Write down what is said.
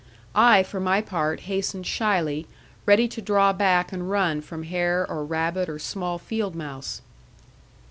I, for my part, hastened shyly, ready to draw back and run from hare, or rabbit, or small field mouse.